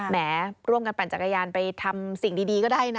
แม้ร่วมกันปั่นจักรยานไปทำสิ่งดีก็ได้นะ